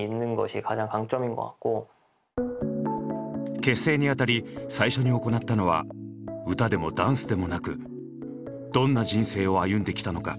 結成にあたり最初に行ったのは歌でもダンスでもなくどんな人生を歩んできたのか？